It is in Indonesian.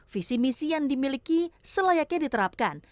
visi misi yang dimiliki selayaknya diterapkan